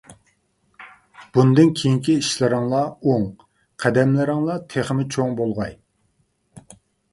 بۇندىن كېيىنكى ئىشلىرىڭلار ئوڭ، قەدەملىرىڭلار تېخىمۇ چوڭ بولغاي!